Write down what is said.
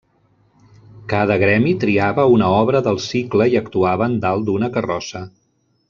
Cada gremi triava una obra del cicle i actuaven dalt d'una carrossa.